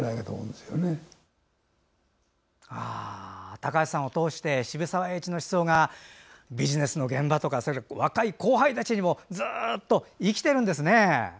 高橋さんを通して渋沢栄一の思想がビジネスの現場とか若い後輩たちにもずっと生きてるんですね。